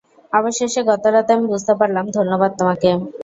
অবশেষে গতরাতে আমি বুঝতে পারলাম, ধন্যবাদ তোমাকে।